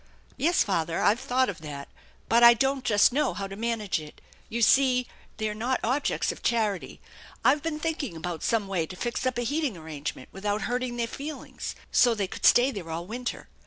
" Yes, father, I've thought of that, but I don't just know how to manage it. You see they're not objects of charity. I've been thinking about some way to fix up a heating arrangement without hurting their feelings, so they could stay there all winter.